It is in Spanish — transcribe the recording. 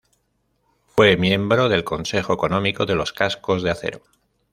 Fue miembro del consejo económico de los Cascos de Acero.